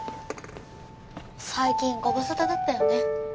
最近ご無沙汰だったよね。